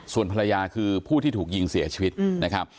ส่วนภรรยาคือผู้ที่ถูกยิงเสียชีวิตนะครับ